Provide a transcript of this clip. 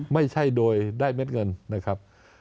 ไม่ใช่โดยได้เม็ดเงินนะครับ